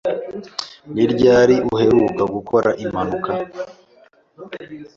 Ni ryari uheruka gukora impanuka?